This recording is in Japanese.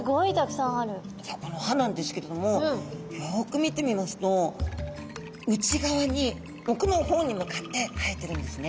さっこの歯なんですけれどもよく見てみますと内側におくの方に向かって生えてるんですね。